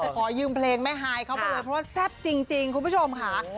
ขอยืมเพลงแม่ฮายเข้าไปเลยเพราะว่าแซ่บจริงคุณผู้ชมค่ะ